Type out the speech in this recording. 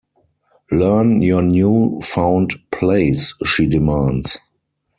"Learn your new-found place," she demands.